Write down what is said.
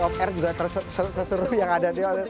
off air juga seseru yang ada